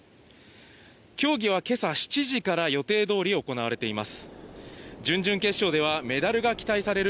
競技は今朝７時から予定通り行われています。